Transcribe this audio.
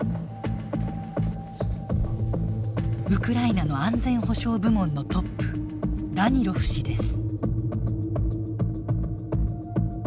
ウクライナの安全保障部門のトップダニロフ氏です。